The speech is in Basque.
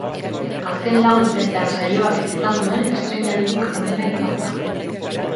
Azken lau urteetan saioak izan duen estreinaldirik onena izan da.